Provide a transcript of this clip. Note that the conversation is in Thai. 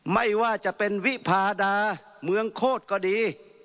ไม่ว่าจะเป็นวิพาดาเมืองโคตรก็ดี